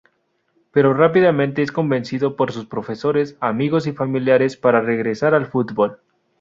Pero rápidamente es convencido por sus profesores, amigos y familiares para regresar al fútbol.